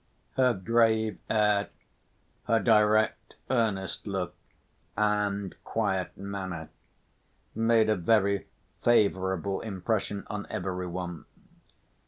Her grave air, her direct earnest look and quiet manner made a very favorable impression on every one.